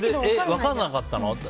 分からなかったの？